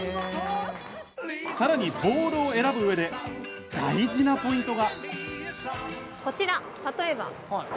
さらにボールを選ぶ上で大事なポイントが。